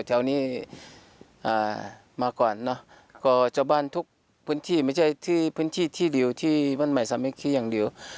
อ่ามาก่อนเนอะก็เจ้าบ้านทุกพื้นที่ไม่ใช่ที่พื้นที่ที่ริวที่วันใหม่สามัยคีย์อย่างริว